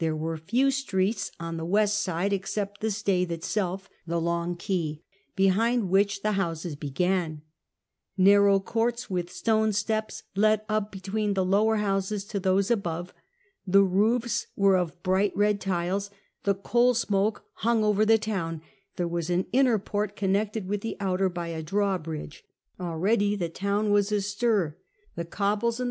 There were few streets on the west side except the Staithe itself, the long quay, behind which the houses began ; narrow courts with stone steps led up bctiveen the lower houses to those above ; the roofs were of bright red tiles ; the coal smoke hung over the town ; there was an inner port connected with the outer by a draw bridge; already the town was astir; the cobles and the CHAP.